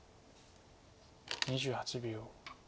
２８秒。